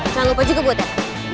soalnya kayaknya udah berhasil